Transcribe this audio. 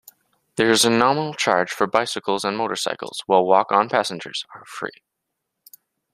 There is a nominal charge for bicycles and motorcycles while walk-on passengers are free.